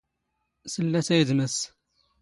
ⵙⵍⵍⴰⵜ ⴰ ⵉⴷ ⵎⴰⵙⵙ.